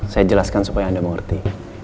saya jelaskan supaya anda mengerti